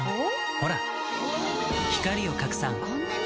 ほら光を拡散こんなに！